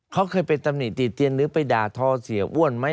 เขาเคยไปตำหนิติเตียนหรือไปด่าทอเสียอ้วนไหม